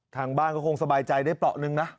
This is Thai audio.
ทางบ้านก็คงสบายใจได้เปราะหนึ่งนะ